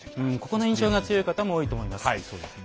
ここの印象が強い方も多いと思います。